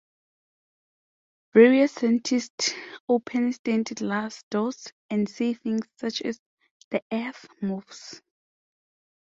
Various scientists open stained glass doors and say things such as, The Earth moves.